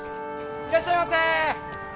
いらっしゃいませ！